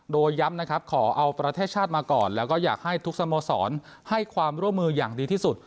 โดยย้ำนะครับขอเอาประเทศชาติมาก่อนแล้วก็อยากให้ทุกสโมสรให้ความร่วมมืออย่างดีที่สุด